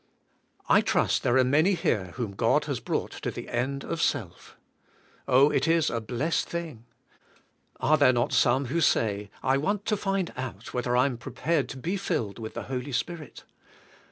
I trust there are many here whom God has broug^ht to the end of self. Oh, it is a blessed thing"! Are there not some who say, I want to find out whether I am prepared to be filled with the Holy Spirit?